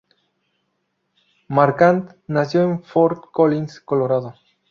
Marquand nació en Fort Collins, Colorado.